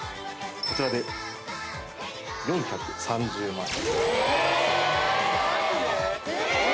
こちらで４３０万円え！